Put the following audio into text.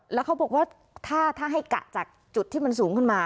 แล้วเขาบอกว่าถ้าให้กะจากจุดที่มันสูงขึ้นมา